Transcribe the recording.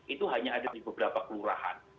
itu hanya ada di beberapa kelurahan